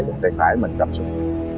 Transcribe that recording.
cùng tay phải mình cầm súng